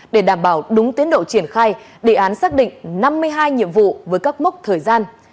để đảm bảo đúng tiến độ triển khai đề án xác định năm mươi hai nhiệm vụ với các mốc thời gian